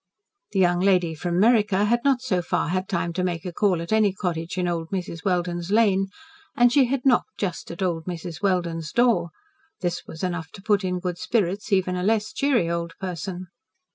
The young lady from "Meriker" had not so far had time to make a call at any cottage in old Mrs. Welden's lane and she had knocked just at old Mrs. Welden's door. This was enough to put in good spirits even a less cheery old person.